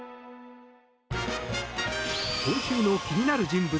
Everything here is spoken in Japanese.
今週の気になる人物